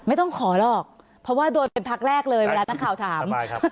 ไม่ต้องขอหรอกเพราะว่าโดนเป็นพักแรกเลยเวลานักข่าวถาม